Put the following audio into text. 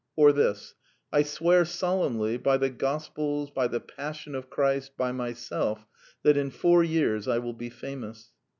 Or this, " I swear solemnly — by the Gos pels, by the passion of Christ, by myself — that in four years I will be famous."